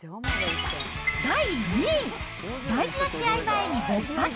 第２位、大事な試合前に勃発！